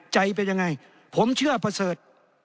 ใจเป็นยังไงผมเชื่อประเสริฐ